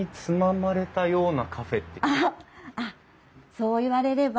そう言われれば。